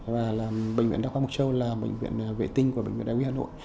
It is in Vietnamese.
và bệnh viện đa khoa mộc châu là bệnh viện vệ tinh của bệnh viện đài nguyên hà nội